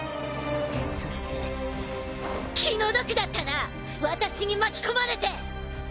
そして気の毒だったな私に巻き込まれて！